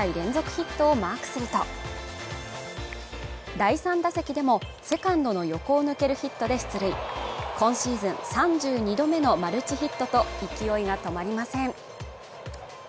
ヒットをマークすると第３打席でもセカンドの横を抜けるヒットで出塁今シーズン３２度目のマルチヒットと勢いが止まりません